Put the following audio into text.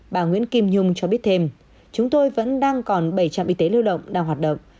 bà nguyễn kim nhung cho biết thêm chúng tôi vẫn đang còn bảy trạm y tế lưu động đang hoạt động